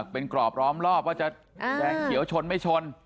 เป็นกรอบร้อมรอบว่าจะแดงเขียวชนไม่ชน